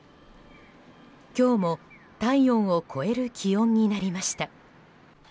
今日も体温を超える気温になりました。